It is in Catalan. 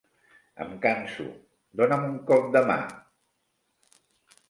Em canso, dona'm un cop de mà.